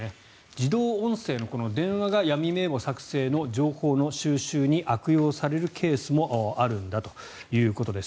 自動音声の電話が闇名簿作成の情報の収集に悪用されるケースもあるんだということです。